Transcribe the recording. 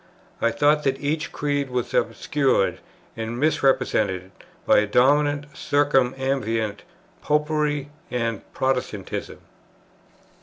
I thought that each creed was obscured and misrepresented by a dominant circumambient "Popery" and "Protestantism."